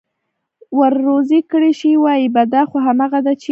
ور روزي كړى شي، وايي به: دا خو همغه دي چې: